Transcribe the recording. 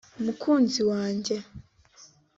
mukunzi wanjye